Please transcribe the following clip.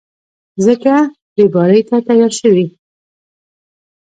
څنګه رېبارۍ ته تيار شوې.